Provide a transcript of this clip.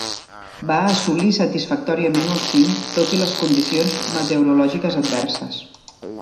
Va assolir satisfactòriament el cim tot i les condicions meteorològiques adverses.